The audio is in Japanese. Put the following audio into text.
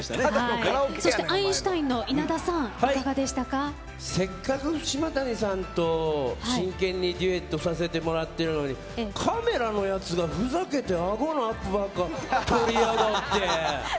そしてアインシュタインの稲田さんはせっかく島谷さんと真剣にデュエットさせてもらってるのにカメラのやつがふざけてあごのアップばっか撮りやがって！